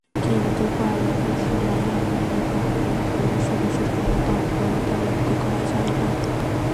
কিন্তু পালানোর সময়ে আদালত অঙ্গনে পুলিশ সদস্যদের কোনো তৎপরতা লক্ষ করা যায়নি।